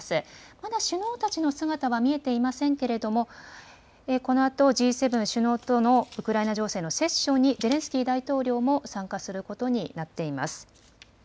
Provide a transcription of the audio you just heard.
まだ首脳たちの姿は見えていませんけれども、このあとＧ７首脳とのウクライナ情勢のセッションに、ゼレンスキー大統領も参加することになっています。